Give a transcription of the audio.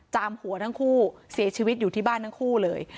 หัวทั้งคู่เสียชีวิตอยู่ที่บ้านทั้งคู่เลย